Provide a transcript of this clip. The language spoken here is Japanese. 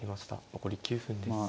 残り９分です。